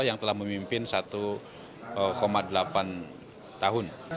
yang telah memimpin satu delapan tahun